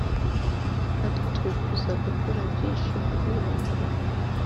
Natwe twifuza gukora byinshi muri uwo murimo